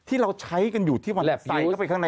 ที่เราใช้กันอยู่ที่มันใส่เข้าไปข้างใน